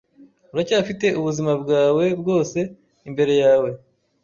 Uracyafite ubuzima bwawe bwose imbere yawe.